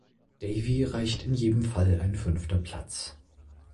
Davey reichte in jedem Fall ein fünfter Platz.